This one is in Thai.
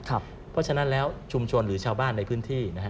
เพราะฉะนั้นแล้วชุมชนหรือชาวบ้านในพื้นที่นะฮะ